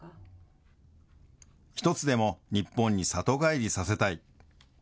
一つでも日本に里帰りさせたい。